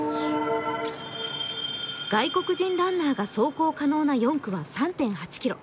外国人ランナーが走行可能な４区は３．８ｋｍ。